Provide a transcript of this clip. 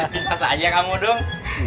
bisa saja kamu dung